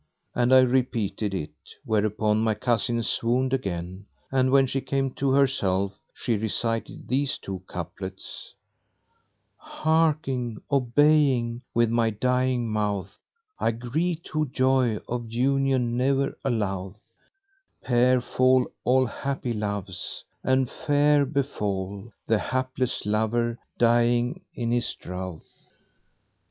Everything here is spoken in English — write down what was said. And I repeated it; whereupon my cousin swooned again, and when she came to herself, she recited these two couplets, "Hearkening, obeying, with my dying mouth * I greet who joy of union ne'er allow'th: Pair fall all happy loves, and fair befal * The hapless lover dying in his drowth!"